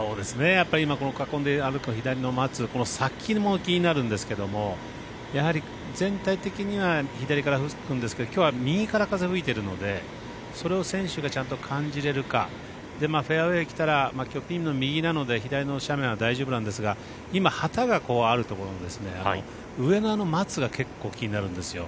やっぱり今、囲んである左の松この先も気になるんですけどもやはり全体的には左から吹くんですけどきょうは右から風、吹いてるのでそれを選手がちゃんと感じれるかフェアウエー来たらきょう、ピンの右なので左の斜面は大丈夫なんですが今、旗があるところに上の松が結構気になるんですよ。